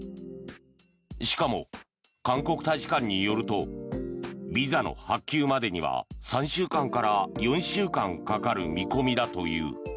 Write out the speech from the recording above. しかも、韓国大使館によるとビザの発給までには３週間から４週間かかる見込みだという。